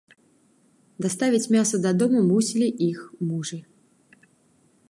Даставіць мяса дадому мусілі іх мужы.